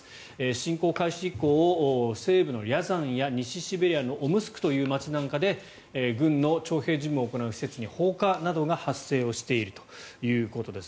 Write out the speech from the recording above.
侵攻開始以降、西部のリャザンや西シベリアのオムスクという街で軍の徴兵事務を行う施設に放火などが発生しているということです。